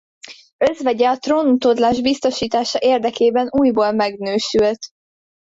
Özvegye a trónutódlás biztosítása érdekében újból megnősült.